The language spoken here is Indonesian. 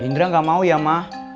indra gak mau ya ma